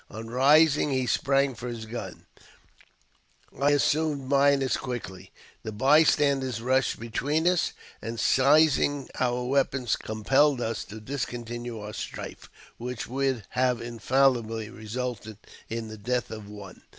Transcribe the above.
On rising, he sprang for his gun ; I assumed mine as quickly. The bystanders rushed between us, and, seizing our weapons, compelled us to discontinue our strife, which would have infallibly resulted in the death of one.